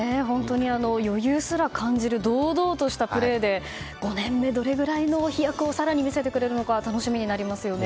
余裕すら感じる堂々としたプレーで５年目、どれくらいの飛躍を更に見せてくれるのか楽しみになりますよね。